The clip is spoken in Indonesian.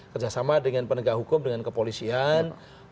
kerjasama dengan penegak hukum dengan kepolisian